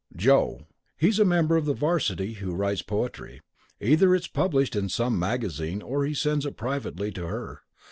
Joe. He's a member of the 'varsity who writes poetry. Either it's published in some magazine or he sends it privately to her.